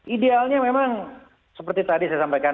idealnya memang seperti tadi saya sampaikan